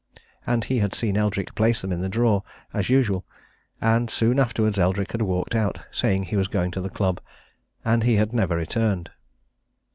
And he had seen Eldrick place them in the drawer, as usual, and soon afterwards Eldrick had walked out, saying he was going to the club, and he had never returned.